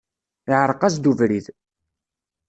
Iεreq-as-d ubrid.